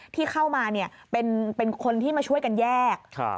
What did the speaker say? ที่เข้ามาเป็นคนที่มาช่วยกันแยก